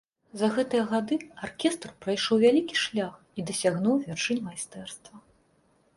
За гэтыя гады аркестр прайшоў вялікі шлях і дасягнуў вяршынь майстэрства.